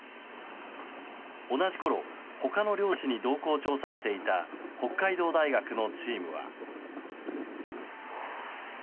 同じころ、他の猟師に同行調査していた北海道大学のチームは。